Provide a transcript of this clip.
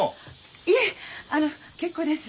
いえっあの結構です。